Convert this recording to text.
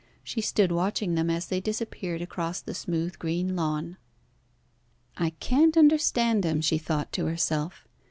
She stood watching them as they disappeared across the smooth, green lawn. "I can't understand him," she thought to herself.